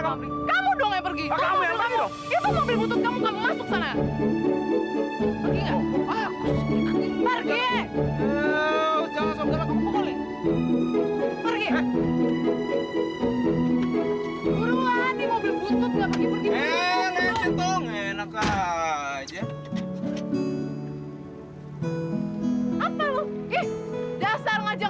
kasih gak calon kamu mulai kerja